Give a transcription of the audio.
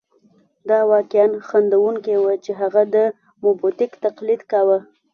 دا واقعاً خندوونکې وه چې هغه د موبوتیک تقلید کاوه.